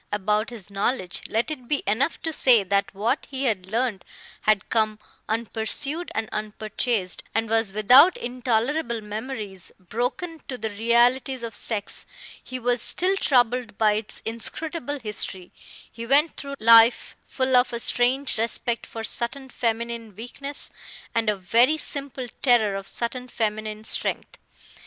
About his knowledge, let it be enough to say that what he had learned had come unpursued and unpurchased, and was without intolerable memories; broken to the realities of sex, he was still troubled by its inscrutable history; he went through life full of a strange respect for certain feminine weakness and a very simple terror of certain feminine strength.